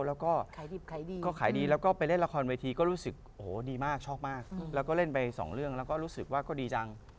แล้วก็ขายดีแล้วก็ไปเล่นละครเวทีก็รู้สึกโหดีมากชอบมากแล้วก็เล่นไป๒เรื่องแล้วก็รู้สึกว่าก็ดีจัง